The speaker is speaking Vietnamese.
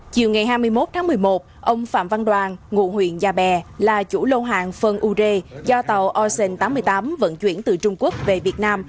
chiều ngày hai mươi một tháng một mươi một ông phạm văn đoàn ngụ huyện gia bè là chủ lâu hàng phân ure do tàu ocean tám mươi tám vận chuyển từ trung quốc về việt nam